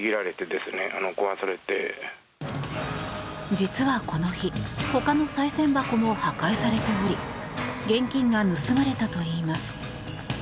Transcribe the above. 実はこの日、他のさい銭箱も破壊されており現金が盗まれたといいます。